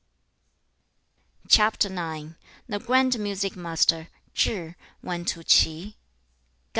CHAP. IX. 1. The grand music master, Chih, went to Ch'i.